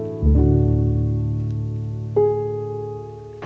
menemukan kemampuan yang menarik